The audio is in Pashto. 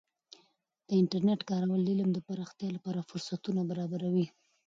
د انټرنیټ کارول د علم د پراختیا لپاره فرصتونه برابروي.